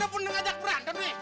udah bundeng ajak berantem nih